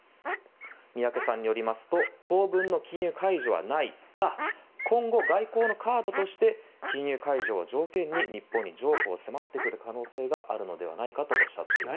宮家さんによりますと当分の禁輸解除はないが今後、外交のカードとして禁輸解除を条件に日本に譲歩を迫ってくる可能性があるのではないかとおっしゃっています。